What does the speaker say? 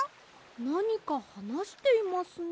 なにかはなしていますね。